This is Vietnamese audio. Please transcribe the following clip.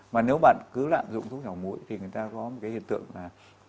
mà nếu bạn cứ lạm dụng thuốc nhỏ mũi thì người ta có một cái hiện tượng là